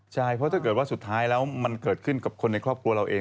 ใช่เพราะถ้าเกิดว่าสุดท้ายแล้วมันเกิดขึ้นกับคนในครอบครัวเราเอง